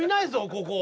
ここ。